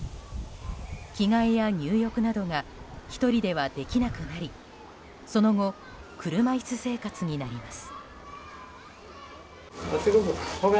着替えや入浴などが１人ではできなくなりその後車椅子生活になります。